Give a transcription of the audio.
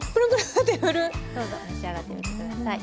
どうぞ召し上がってみて下さい。